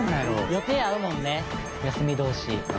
予定合うもんね休み同士。